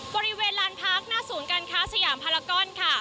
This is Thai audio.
บริเวณลานพักหน้าศูนย์การค้าสยามพารากอนค่ะ